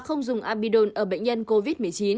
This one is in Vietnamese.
ở bệnh nhân covid một mươi chín